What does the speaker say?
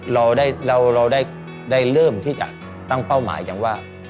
เราได้เริ่มที่จะตั้งเป้าหมายอย่างว่า